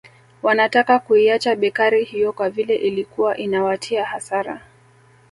Wanataka kuiacha bekari hiyo kwa vile ilikuwa inawatia hasara